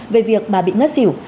về việc bà bị ngất xỉu